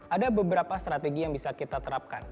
ada beberapa strategi yang bisa kita terapkan